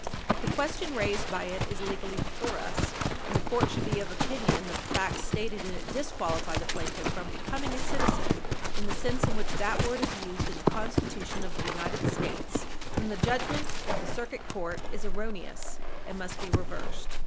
If the question raised by it is legally before us, and the court should be of opinion that the facts stated in it disqualify the plaintiff from becoming a citizen, in the sense in which that word is used in the Constitution of the United States, then the judgment of the Circuit Court is erroneous, and must be reversed.